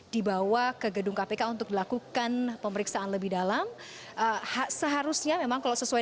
dibawa ke gedung kpk untuk dilakukan pemeriksaan lebih dalam seharusnya memang kalau sesuai